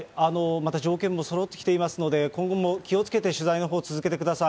また条件もそろってきていますので、今後も気をつけて、取材のほう続けてください。